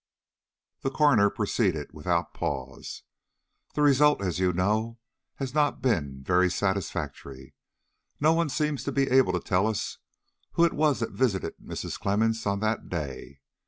The coroner proceeded without pause. "The result, as you know, has not been satisfactory. No one seems to be able to tell us who it was that visited Mrs. Clemmens on that day.